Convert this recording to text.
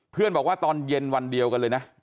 บอกว่าตอนเย็นวันเดียวกันเลยนะ